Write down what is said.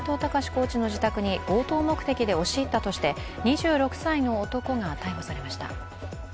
コーチの自宅に強盗目的で押し入ったとして２６歳の男が逮捕されました。